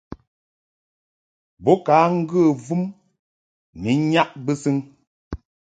Bo ka ŋgə vum ni nnyaʼ bɨsɨŋ.